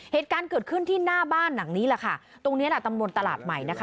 เหตุการณ์เกิดขึ้นที่หน้าบ้านหลังนี้แหละค่ะตรงเนี้ยแหละตำบลตลาดใหม่นะคะ